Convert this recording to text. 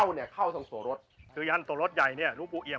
อันนี้สวรสหรือว่าจักรพรต